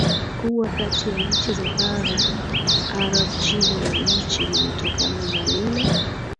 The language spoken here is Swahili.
kubwa kati ya nchi za Bara Arabu Jina la nchi limetokana na lile